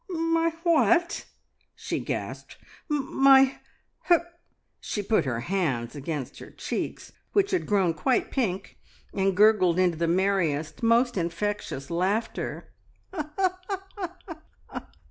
"My what?" she gasped. "My h " She put her hands against her cheeks, which had grown quite pink, and gurgled into the merriest, most infectious laughter.